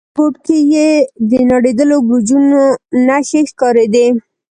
په هر گوټ کښې يې د نړېدلو برجونو نخښې ښکارېدې.